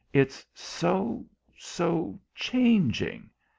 It's so so changing."